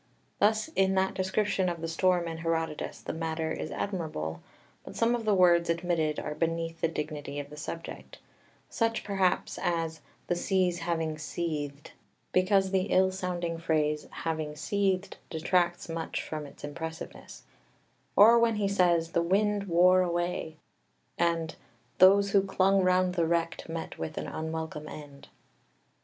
Thus in that description of the storm in Herodotus the matter is admirable, but some of the words admitted are beneath the dignity of the subject; such, perhaps, as "the seas having seethed" because the ill sounding phrase "having seethed" detracts much from its impressiveness: or when he says "the wind wore away," and "those who clung round the wreck met with an unwelcome end."